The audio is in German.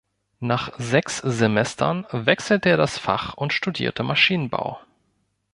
Nach sechs Semestern wechselte er das Fach und studierte Maschinenbau.